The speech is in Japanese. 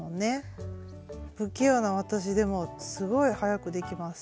不器用な私でもすごい早くできます。